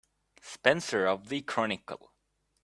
Spencer of the Chronicle.